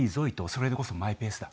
それでこそマイペースだ。